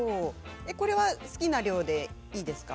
これは好きな量でいいですか？